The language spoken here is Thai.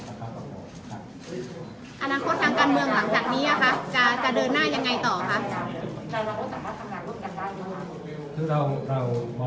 อนักควดทางการเมืองหลังจากนี้อะคะ